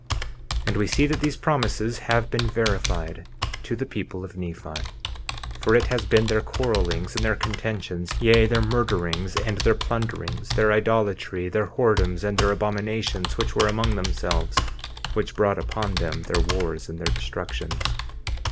50:21 And we see that these promises have been verified to the people of Nephi; for it has been their quarrelings and their contentions, yea, their murderings, and their plunderings, their idolatry, their whoredoms, and their abominations, which were among themselves, which brought upon them their wars and their destructions.